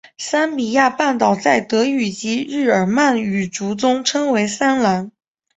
桑比亚半岛在德语及日耳曼语族中称为桑兰。